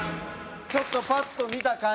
ちょっとパッと見た感じ